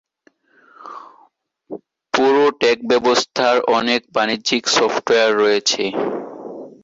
পুরো টেক ব্যবস্থার অনেক বাণিজ্যিক সফটওয়ার রয়েছে।